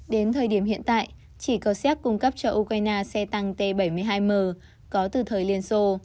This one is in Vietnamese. đến thời điểm hiện tại chỉ có xe cung cấp cho ukraine xe tăng t bảy mươi hai m có từ thời liên xô